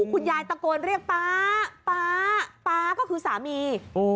คุณยายตะโกนเรียกป๊าป๊าป๊าก็คือสามี